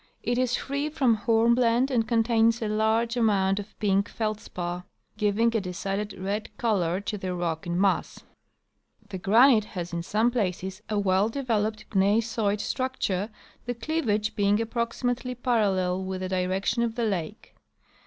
It is free from hornblende and contains a large amount of pink feldspar, ' giving a decided red color to the rock in mass. The granite has in some places a well developed gneissoid structure, the cleavage being approximately parallel with the direction of the lake.